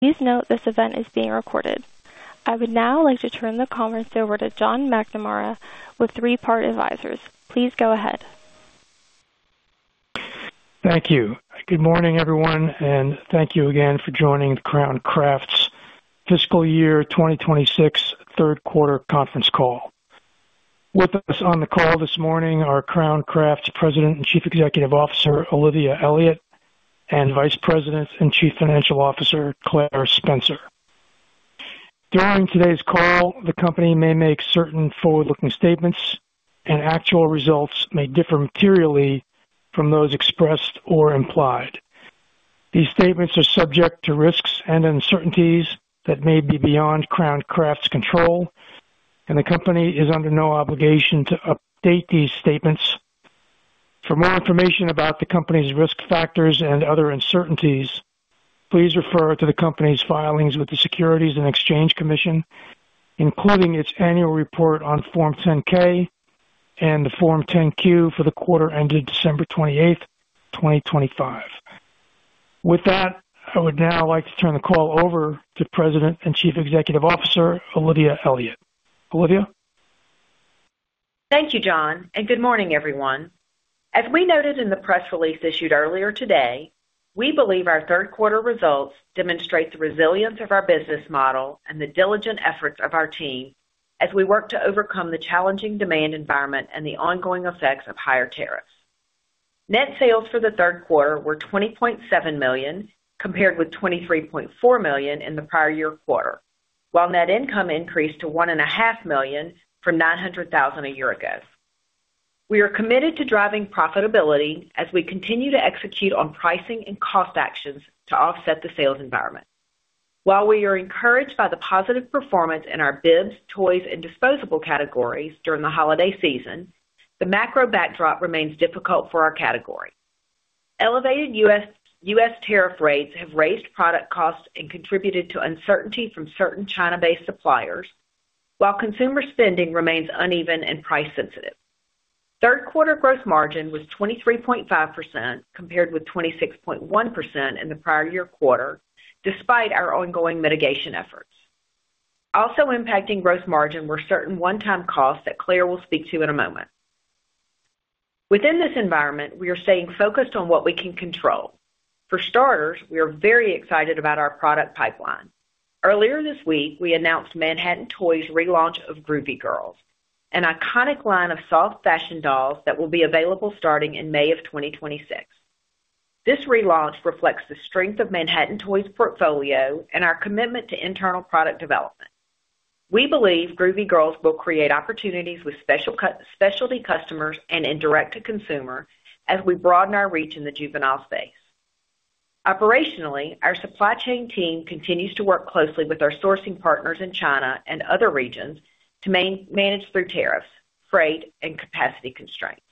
Please note this event is being recorded. I would now like to turn the conference over to John McNamara with Three Part Advisors. Please go ahead. Thank you. Good morning, everyone, and thank you again for joining the Crown Crafts fiscal year 2026 Q3 conference call. With us on the call this morning are Crown Crafts President and Chief Executive Officer Olivia Elliott and Vice President and Chief Financial Officer, Claire Spencer. During today's call, the company may make certain forward-looking statements, and actual results may differ materially from those expressed or implied. These statements are subject to risks and uncertainties that may be beyond Crown Crafts' control, and the company is under no obligation to update these statements. For more information about the company's risk factors and other uncertainties, please refer to the company's filings with the Securities and Exchange Commission, including its annual report on Form 10-K and the Form 10-Q for the quarter ended December 28, 2025. With that, I would now like to turn the call over to President and Chief Executive Officer, Olivia Elliott. Olivia? Thank you, John, and good morning, everyone. As we noted in the press release issued earlier today, we believe our Q3 results demonstrate the resilience of our business model and the diligent efforts of our team as we work to overcome the challenging demand environment and the ongoing effects of higher tariffs. Net sales for Q3 were $20.7 million compared with $23.4 million in the prior year quarter, while net income increased to $1.5 million from $900,000 a year ago. We are committed to driving profitability as we continue to execute on pricing and cost actions to offset the sales environment. While we are encouraged by the positive performance in our bibs, toys, and disposable categories during the holiday season, the macro backdrop remains difficult for our category. Elevated U.S. Tariff rates have raised product costs and contributed to uncertainty from certain China-based suppliers, while consumer spending remains uneven and price-sensitive. Q3 gross margin was 23.5% compared with 26.1% in the prior year quarter, despite our ongoing mitigation efforts. Also impacting gross margin were certain one-time costs that Claire will speak to in a moment. Within this environment, we are staying focused on what we can control. For starters, we are very excited about our product pipeline. Earlier this week, we announced Manhattan Toy's relaunch of Groovy Girls, an iconic line of soft fashion dolls that will be available starting in May of 2026. This relaunch reflects the strength of Manhattan Toy's portfolio and our commitment to internal product development. We believe Groovy Girls will create opportunities with specialty customers and direct-to-consumer as we broaden our reach in the juvenile space. Operationally, our supply chain team continues to work closely with our sourcing partners in China and other regions to manage through tariffs, freight, and capacity constraints.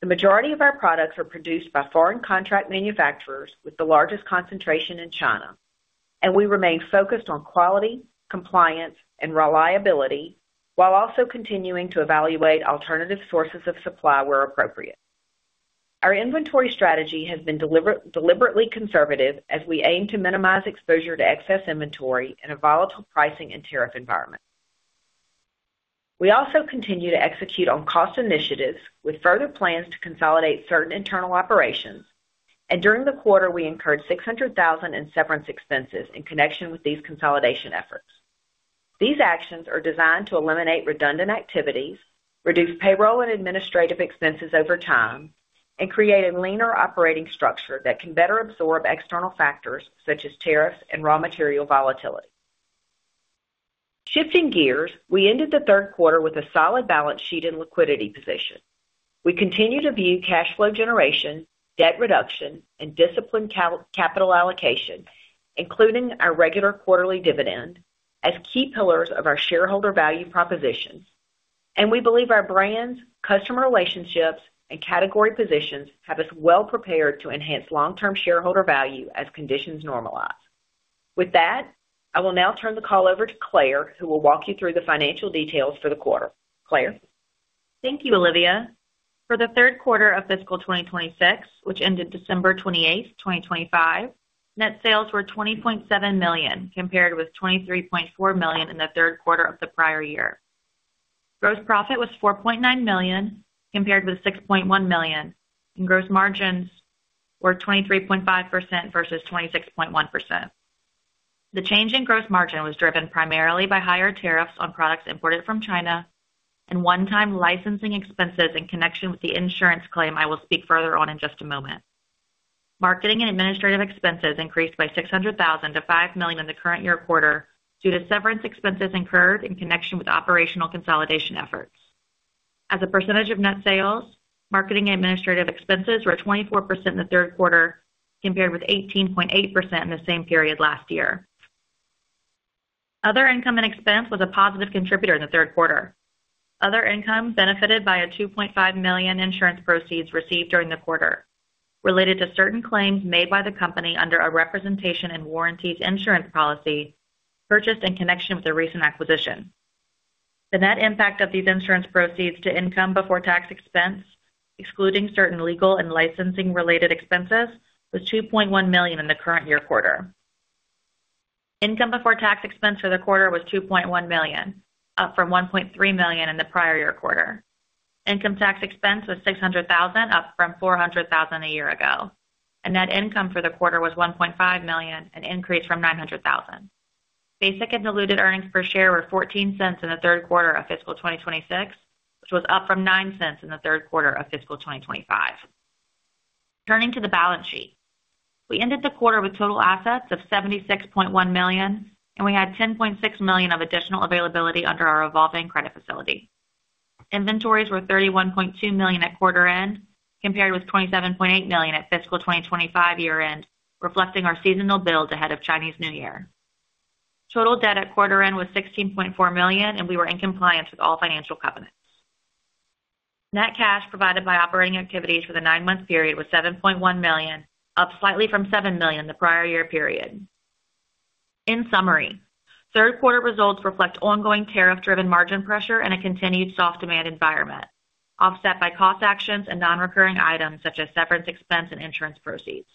The majority of our products are produced by foreign contract manufacturers with the largest concentration in China, and we remain focused on quality, compliance, and reliability while also continuing to evaluate alternative sources of supply where appropriate. Our inventory strategy has been deliberately conservative as we aim to minimize exposure to excess inventory in a volatile pricing and tariff environment. We also continue to execute on cost initiatives with further plans to consolidate certain internal operations, and during the quarter, we incurred $600,000 in severance expenses in connection with these consolidation efforts. These actions are designed to eliminate redundant activities, reduce payroll and administrative expenses over time, and create a leaner operating structure that can better absorb external factors such as tariffs and raw material volatility. Shifting gears, we ended the Q3 with a solid balance sheet and liquidity position. We continue to view cash flow generation, debt reduction, and disciplined capital allocation, including our regular quarterly dividend, as key pillars of our shareholder value propositions, and we believe our brands, customer relationships, and category positions have us well prepared to enhance long-term shareholder value as conditions normalize. With that, I will now turn the call over to Claire, who will walk you through the financial details for the quarter. Claire? Thank you, Olivia. For the Q3 of fiscal 2026, which ended December 28, 2025, net sales were $20.7 million compared with $23.4 million in the Q3 of the prior year. Gross profit was $4.9 million compared with $6.1 million, and gross margins were 23.5% versus 26.1%. The change in gross margin was driven primarily by higher tariffs on products imported from China and one-time licensing expenses in connection with the insurance claim I will speak further on in just a moment. Marketing and administrative expenses increased by $600,000 to $5 million in the current year quarter due to severance expenses incurred in connection with operational consolidation efforts. As a percentage of net sales, marketing and administrative expenses were 24% in the Q3 compared with 18.8% in the same period last year. Other income and expense was a positive contributor in the Q3. Other income benefited by $2.5 million insurance proceeds received during the quarter related to certain claims made by the company under a representations and warranties insurance policy purchased in connection with a recent acquisition. The net impact of these insurance proceeds to income before tax expense, excluding certain legal and licensing-related expenses, was $2.1 million in the current year quarter. Income before tax expense for the quarter was $2.1 million, up from $1.3 million in the prior year quarter. Income tax expense was $600,000, up from $400,000 a year ago. Net income for the quarter was $1.5 million, an increase from $900,000. Basic and diluted earnings per share were $0.14 in Q3 of fiscal 2026, which was up from $0.09 in Q3 of fiscal 2025. Turning to the balance sheet, we ended the quarter with total assets of $76.1 million, and we had $10.6 million of additional availability under our revolving credit facility. Inventories were $31.2 million at quarter end compared with $27.8 million at fiscal 2025 year end, reflecting our seasonal build ahead of Chinese New Year. Total debt at quarter end was $16.4 million, and we were in compliance with all financial covenants. Net cash provided by operating activities for the nine-month period was $7.1 million, up slightly from $7 million the prior year period. In summary, Q3 results reflect ongoing tariff-driven margin pressure and a continued soft demand environment, offset by cost actions and non-recurring items such as severance expense and insurance proceeds.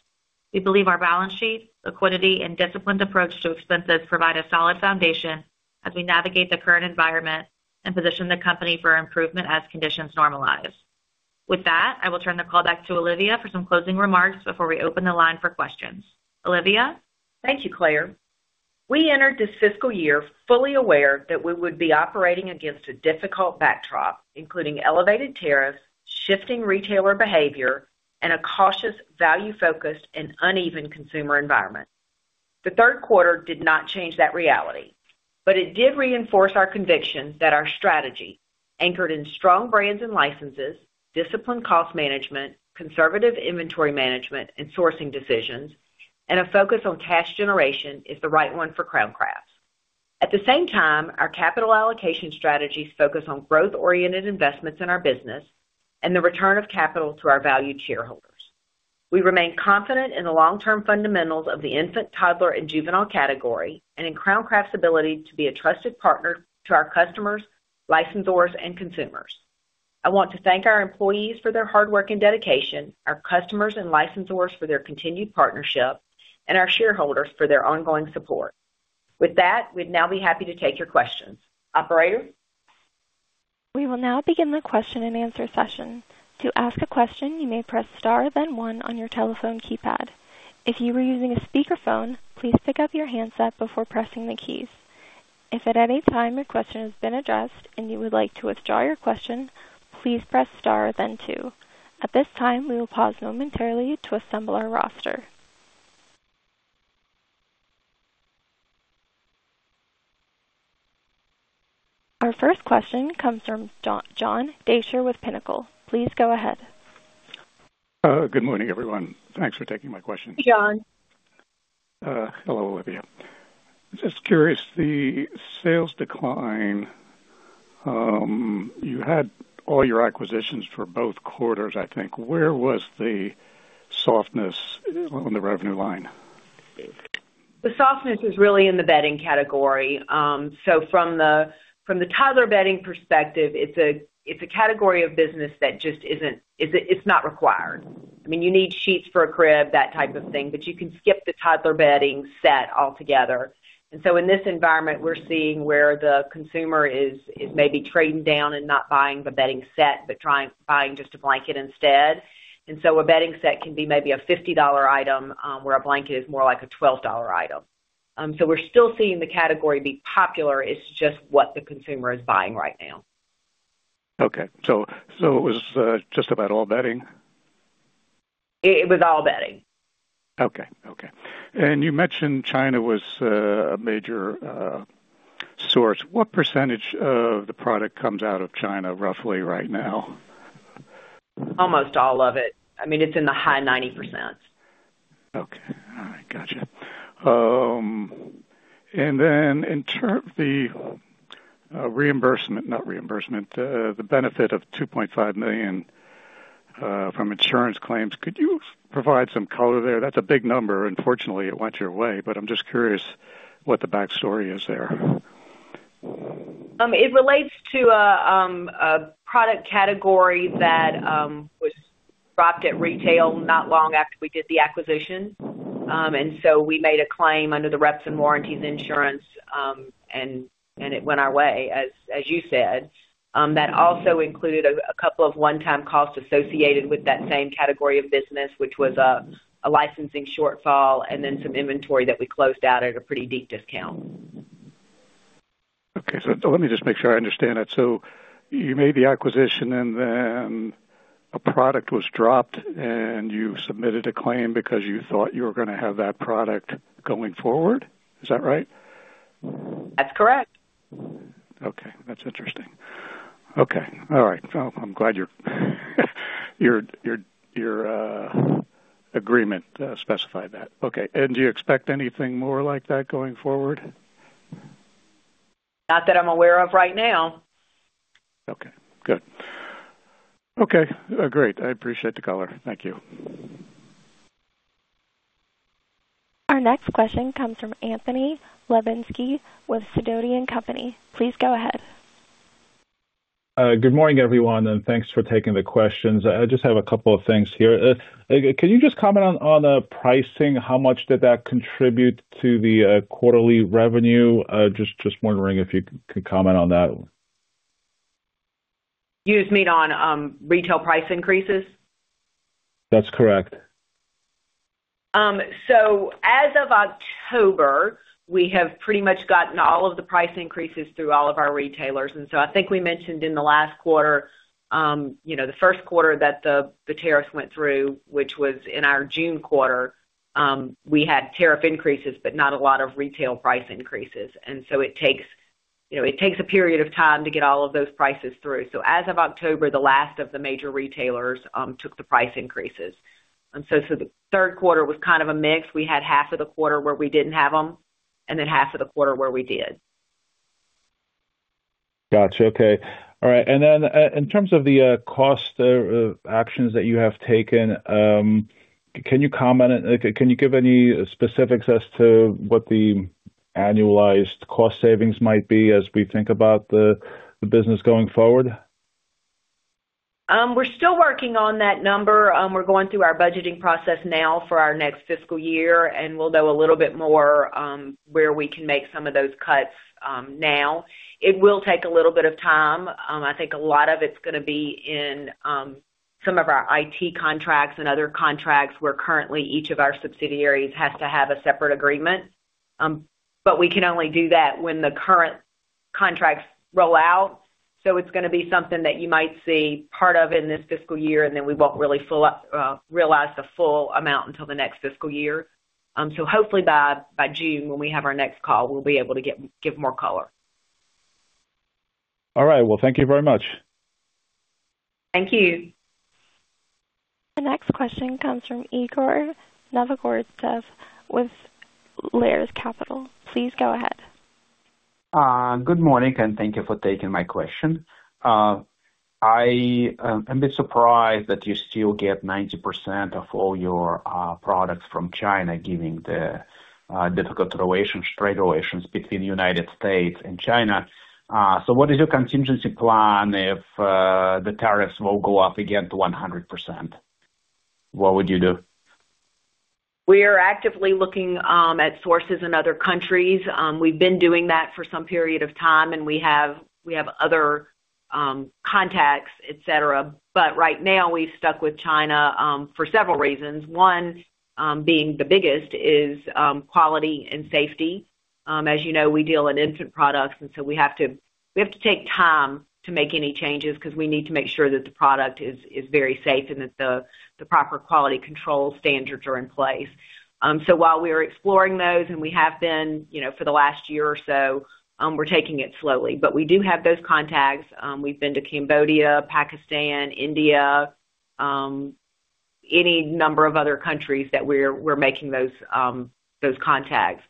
We believe our balance sheet, liquidity, and disciplined approach to expenses provide a solid foundation as we navigate the current environment and position the company for improvement as conditions normalize. With that, I will turn the call back to Olivia for some closing remarks before we open the line for questions. Olivia? Thank you, Claire. We entered this fiscal year fully aware that we would be operating against a difficult backdrop, including elevated tariffs, shifting retailer behavior, and a cautious, value-focused, and uneven consumer environment. The Q3 did not change that reality, but it did reinforce our conviction that our strategy, anchored in strong brands and licenses, disciplined cost management, conservative inventory management and sourcing decisions, and a focus on cash generation is the right one for Crown Crafts. At the same time, our capital allocation strategies focus on growth-oriented investments in our business and the return of capital to our valued shareholders. We remain confident in the long-term fundamentals of the infant, toddler, and juvenile category and in Crown Crafts' ability to be a trusted partner to our customers, licensors, and consumers. I want to thank our employees for their hard work and dedication, our customers and licensors for their continued partnership, and our shareholders for their ongoing support. With that, we'd now be happy to take your questions. Operator? We will now begin the question-and-answer session. To ask a question, you may press star, then one, on your telephone keypad. If you were using a speakerphone, please pick up your handset before pressing the keys. If at any time your question has been addressed and you would like to withdraw your question, please press star, then two. At this time, we will pause momentarily to assemble our roster. Our first question comes from John Deysher with Pinnacle. Please go ahead. Good morning, everyone. Thanks for taking my question. Hey John. Hello, Olivia. Just curious, the sales decline, you had all your acquisitions for both quarters, I think. Where was the softness on the revenue line? The softness is really in the bedding category. So from the toddler bedding perspective, it's a category of business that just isn't. It's not required. I mean, you need sheets for a crib, that type of thing, but you can skip the toddler bedding set altogether. So in this environment, we're seeing where the consumer is maybe trading down and not buying the bedding set but buying just a blanket instead. So a bedding set can be maybe a $50 item where a blanket is more like a $12 item. So we're still seeing the category be popular. It's just what the consumer is buying right now. Okay. So it was just about all bedding? It was all bedding. Okay. Okay. And you mentioned China was a major source. What percentage of the product comes out of China, roughly, right now? Almost all of it. I mean, it's in the high 90%. Okay. All right. Gotcha. And then the reimbursement, not reimbursement, the benefit of $2.5 million from insurance claims, could you provide some color there? That's a big number. Unfortunately, it went your way, but I'm just curious what the backstory is there. It relates to a product category that was dropped at retail not long after we did the acquisition. So we made a claim under the reps and warranties insurance, and it went our way, as you said. That also included a couple of one-time costs associated with that same category of business, which was a licensing shortfall and then some inventory that we closed out at a pretty deep discount. Okay. So let me just make sure I understand it. So you made the acquisition, and then a product was dropped, and you submitted a claim because you thought you were going to have that product going forward? Is that right? That's correct. Okay. That's interesting. Okay. All right. Well, I'm glad your agreement specified that. Okay. And do you expect anything more like that going forward? Not that I'm aware of right now. Okay. Good. Okay. Great. I appreciate the color. Thank you. Our next question comes from Anthony Lebiedzinski with Sidoti & Company. Please go ahead. Good morning, everyone, and thanks for taking the questions. I just have a couple of things here. Can you just comment on the pricing? How much did that contribute to the quarterly revenue? Just wondering if you could comment on that. You just mean on retail price increases? That's correct. So as of October, we have pretty much gotten all of the price increases through all of our retailers. I think we mentioned in the last quarter, the Q1 that the tariffs went through, which was in our June quarter, we had tariff increases but not a lot of retail price increases. It takes a period of time to get all of those prices through. So as of October, the last of the major retailers took the price increases. Q3 was kind of a mix. We had half of the quarter where we didn't have them and then half of the quarter where we did. Gotcha. Okay. All right. Then in terms of the cost actions that you have taken, can you comment? Can you give any specifics as to what the annualized cost savings might be as we think about the business going forward? We're still working on that number. We're going through our budgeting process now for our next fiscal year, and we'll know a little bit more where we can make some of those cuts now. It will take a little bit of time. I think a lot of it's going to be in some of our IT contracts and other contracts where currently each of our subsidiaries has to have a separate agreement. But we can only do that when the current contracts roll out. So it's going to be something that you might see part of in this fiscal year, and then we won't really realize the full amount until the next fiscal year. So hopefully, by June, when we have our next call, we'll be able to give more color. All right. Well, thank you very much. Thank you. The next question comes from Igor Novgorodtsev with Lares Capital. Please go ahead. Good morning, and thank you for taking my question. I'm a bit surprised that you still get 90% of all your products from China, given the difficult trade relations between the United States and China. So what is your contingency plan if the tariffs will go up again to 100%? What would you do? We are actively looking at sources in other countries. We've been doing that for some period of time, and we have other contacts, etc. But right now, we've stuck with China for several reasons. One being the biggest is quality and safety. As you know, we deal in infant products, and so we have to take time to make any changes because we need to make sure that the product is very safe and that the proper quality control standards are in place. So while we are exploring those, and we have been for the last year or so, we're taking it slowly. But we do have those contacts. We've been to Cambodia, Pakistan, India, any number of other countries that we're making those contacts.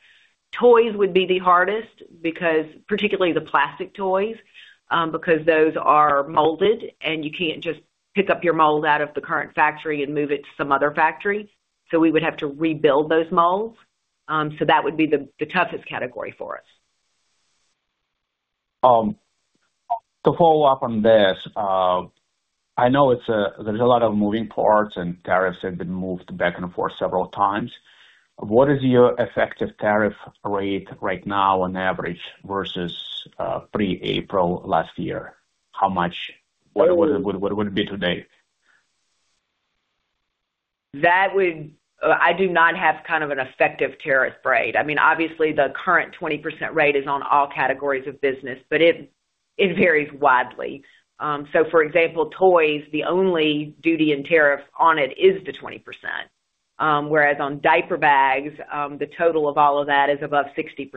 Toys would be the hardest, particularly the plastic toys, because those are molded, and you can't just pick up your mold out of the current factory and move it to some other factory. So we would have to rebuild those molds. So that would be the toughest category for us. To follow up on this, I know there's a lot of moving parts, and tariffs have been moved back and forth several times. What is your effective tariff rate right now, on average, versus pre-April last year? What would it be today? I do not have kind of an effective tariff rate. I mean, obviously, the current 20% rate is on all categories of business, but it varies widely. So for example, toys, the only duty and tariff on it is the 20%, whereas on diaper bags, the total of all of that is above 60%.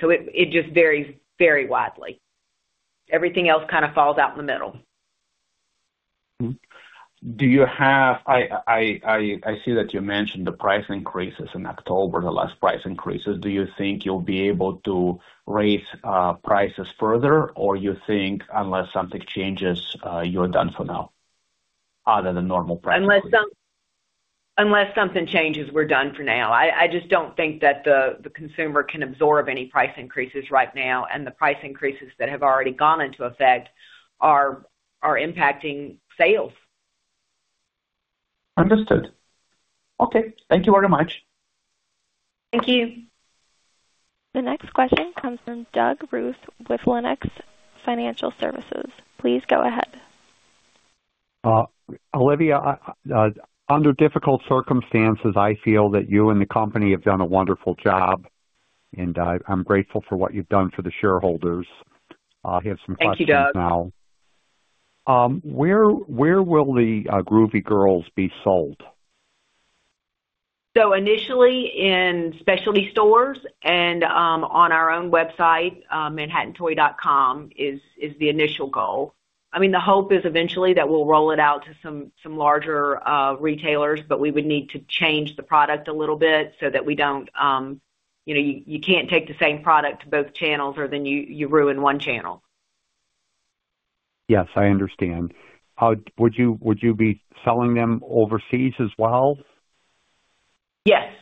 So it just varies very widely. Everything else kind of falls out in the middle. I see that you mentioned the price increases in October, the last price increases. Do you think you'll be able to raise prices further, or do you think, unless something changes, you're done for now other than normal prices? Unless something changes, we're done for now. I just don't think that the consumer can absorb any price increases right now, and the price increases that have already gone into effect are impacting sales. Understood. Okay. Thank you very much. Thank you. The next question comes from Doug Ruth with Lenox Financial Services. Please go ahead. Olivia, under difficult circumstances, I feel that you and the company have done a wonderful job, and I'm grateful for what you've done for the shareholders. I have some questions now. Thank you, Doug. Where will the Groovy Girls be sold? So initially, in specialty stores and on our own website, manhattantoy.com, is the initial goal. I mean, the hope is eventually that we'll roll it out to some larger retailers, but we would need to change the product a little bit so that we don't, you can't take the same product to both channels, or then you ruin one channel. Yes, I understand. Would you be selling them overseas as well? Yes.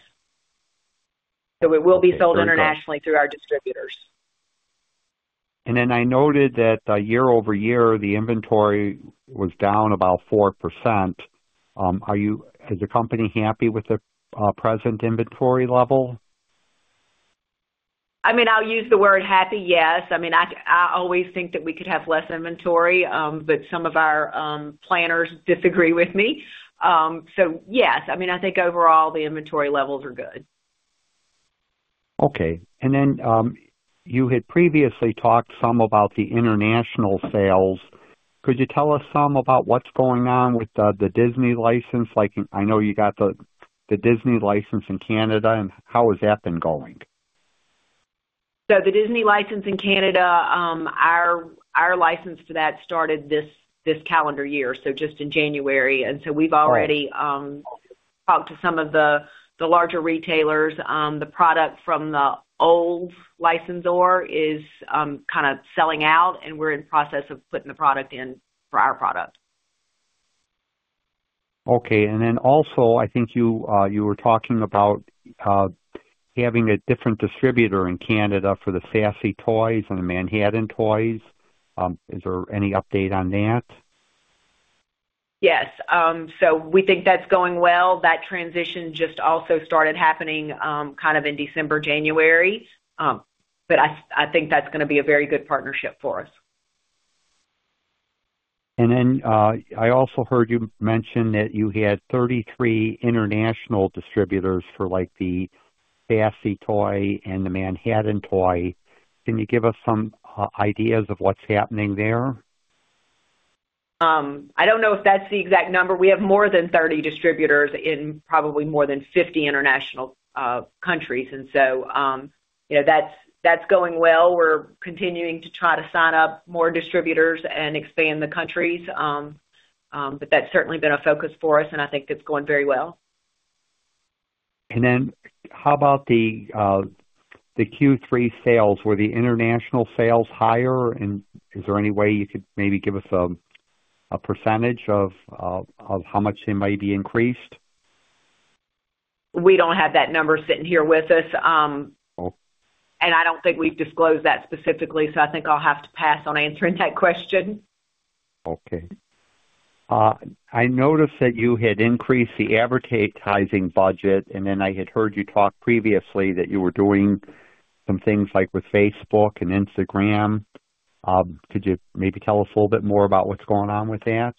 It will be sold internationally through our distributors. Then I noted that year-over-year, the inventory was down about 4%. Is the company happy with the present inventory level? I mean, I'll use the word happy, yes. I mean, I always think that we could have less inventory, but some of our planners disagree with me. So yes, I mean, I think overall, the inventory levels are good. Okay. And then you had previously talked some about the international sales. Could you tell us some about what's going on with the Disney license? I know you got the Disney license in Canada. How has that been going? So the Disney license in Canada, our license to that started this calendar year, so just in January. We've already talked to some of the larger retailers. The product from the old licensor is kind of selling out, and we're in the process of putting the product in for our product. Okay. And then also, I think you were talking about having a different distributor in Canada for the Sassy Toy and the Manhattan Toys. Is there any update on that? Yes. So we think that's going well. That transition just also started happening kind of in December, January. But I think that's going to be a very good partnership for us. I also heard you mention that you had 33 international distributors for the Sassy Toy and the Manhattan Toy. Can you give us some ideas of what's happening there? I don't know if that's the exact number. We have more than 30 distributors in probably more than 50 international countries. So that's going well. We're continuing to try to sign up more distributors and expand the countries. But that's certainly been a focus for us, and I think it's going very well. Then how about the Q3 sales? Were the international sales higher? And is there any way you could maybe give us a percentage of how much they might be increased? We don't have that number sitting here with us, and I don't think we've disclosed that specifically. So I think I'll have to pass on answering that question. Okay. I noticed that you had increased the advertising budget, and then I had heard you talk previously that you were doing some things with Facebook and Instagram. Could you maybe tell us a little bit more about what's going on with that?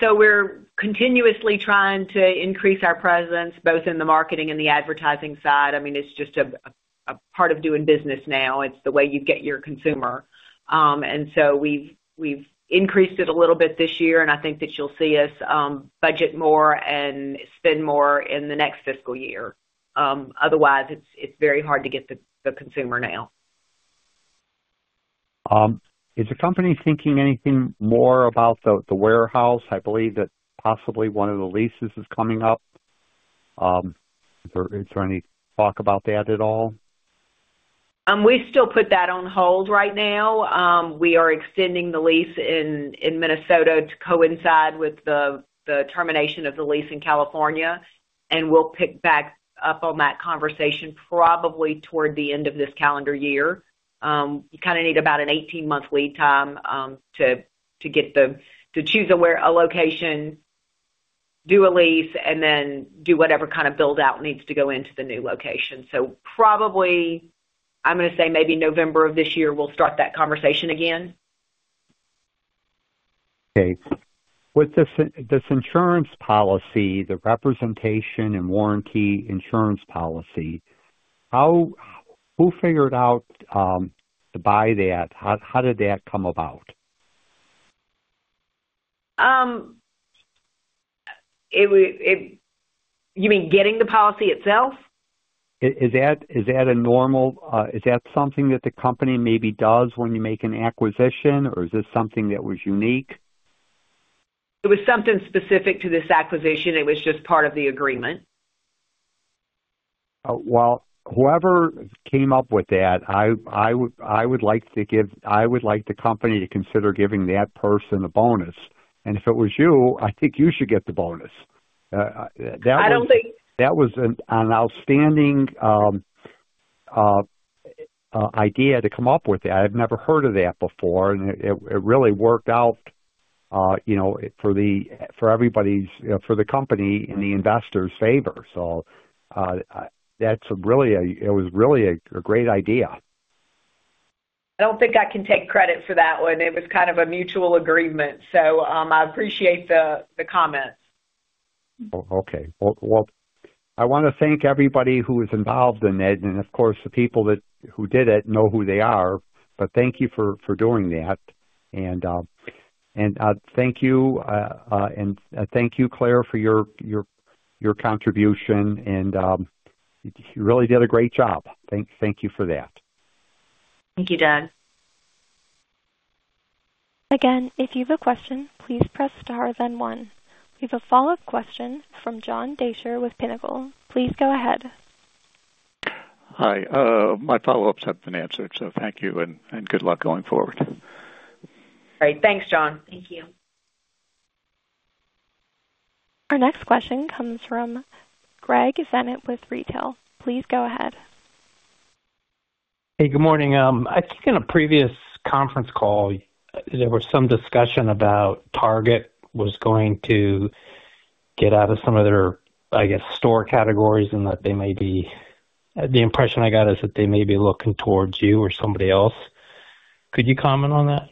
So we're continuously trying to increase our presence both in the marketing and the advertising side. I mean, it's just a part of doing business now. It's the way you get your consumer. So we've increased it a little bit this year, and I think that you'll see us budget more and spend more in the next fiscal year. Otherwise, it's very hard to get the consumer now. Is the company thinking anything more about the warehouse? I believe that possibly one of the leases is coming up. Is there any talk about that at all? We still put that on hold right now. We are extending the lease in Minnesota to coincide with the termination of the lease in California, and we'll pick back up on that conversation probably toward the end of this calendar year. You kind of need about an 18-month lead time to choose a location, do a lease, and then do whatever kind of build-out needs to go into the new location. So probably, I'm going to say maybe November of this year, we'll start that conversation again. Okay. With this insurance policy, the Representations and Warranties Insurance policy, who figured out to buy that? How did that come about? You mean getting the policy itself? Is that normal? Is that something that the company maybe does when you make an acquisition? Or is this something that is unique? It was something specific to this acquisition. It was just part of the agreement. Well, whoever came up with that, I would like the company to consider giving that person a bonus. If it was you, I think you should get the bonus. That was an outstanding idea to come up with that. I've never heard of that before, and it really worked out for everybody, for the company and the investor's favor. So it was really a great idea. I don't think I can take credit for that one. It was kind of a mutual agreement. So I appreciate the comments. Okay. Well, I want to thank everybody who was involved in it. Of course, the people who did it know who they are. But thank you for doing that. Thank you. Thank you, Claire, for your contribution. You really did a great job. Thank you for that. Thank you, Doug. Again, if you have a question, please press star then one. We have a follow-up question from John Deysher with Pinnacle. Please go ahead. Hi. My follow-ups have been answered, so thank you, and good luck going forward. All right. Thanks, John. Thank you. Our next question comes from Greg Zenit with Retail. Please go ahead. Hey, good morning. I think in a previous conference call, there was some discussion about Target was going to get out of some of their, I guess, store categories and that they may be the impression I got is that they may be looking towards you or somebody else. Could you comment on that?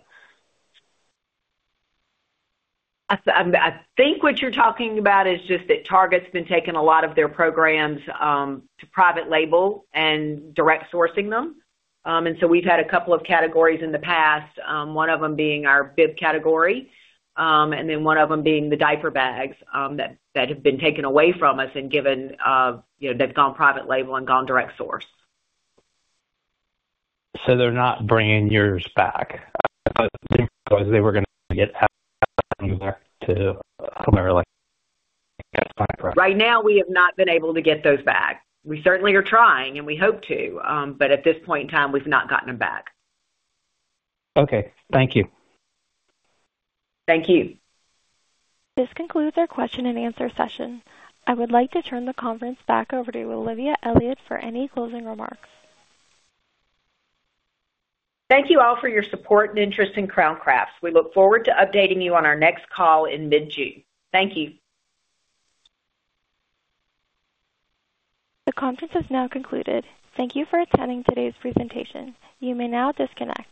I think what you're talking about is just that Target's been taking a lot of their programs to private label and direct sourcing them. So we've had a couple of categories in the past, one of them being our bib category and then one of them being the diaper bags that have been taken away from us and given that they've gone private label and gone direct source. They're not bringing yours back? They were going to get them back to whomever that's buying from? Right now, we have not been able to get those back. We certainly are trying, and we hope to. But at this point in time, we've not gotten them back. Okay. Thank you. Thank you. This concludes our question-and-answer session. I would like to turn the conference back over to Olivia Elliott for any closing remarks. Thank you all for your support and interest in Crown Crafts. We look forward to updating you on our next call in mid-June. Thank you. The conference has now concluded. Thank you for attending today's presentation. You may now disconnect.